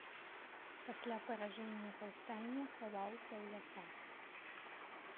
Пасля паражэння паўстання хаваўся ў лясах.